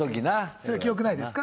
それ記憶ないですか？